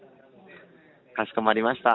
かしこまりました。